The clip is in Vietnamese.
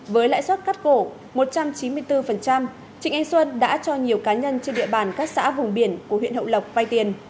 với lãi suất cắt cổ một trăm chín mươi bốn trịnh anh xuân đã cho nhiều cá nhân trên địa bàn các xã vùng biển của huyện hậu lộc vay tiền